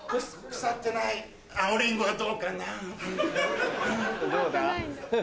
腐ってないんだ。